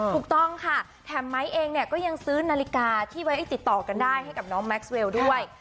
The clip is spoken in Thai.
ถูกต้องค่ะแถมไม้เองเนี่ยก็ยังซื้อนาฬิกาที่ไว้ติดต่อกันได้ให้กับน้องแม็กซ์เรลด้วย